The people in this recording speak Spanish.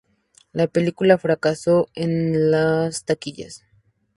La película fracasó en las taquillas.